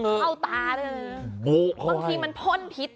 เข้าตาเถิด